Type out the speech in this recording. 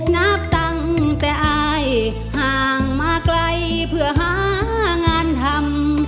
นับตั้งแต่อายห่างมาไกลเพื่อหางานทำ